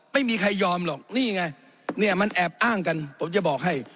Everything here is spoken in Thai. ไม่มีใครยอมหรอกนี่ไงเนี่ยมันแอบอ้างกันผมจะบอกให้